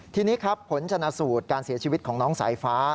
ทีนี้ครับผลชนะสูตรการเสียชีวิตของน้องสายฟ้า